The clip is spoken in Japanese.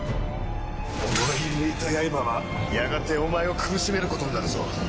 己に向いた刃はやがてお前を苦しめることになるぞ。